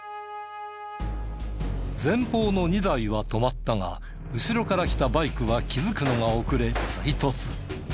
前方の２台は止まったが後ろから来たバイクは気づくのが遅れ追突。